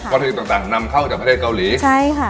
วัตถุต่างนำเข้าจากประเทศเกาหลี